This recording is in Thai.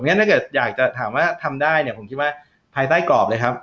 ถ้าเกิดอยากจะถามว่าทำได้เนี่ยผมคิดว่าภายใต้กรอบเลยครับ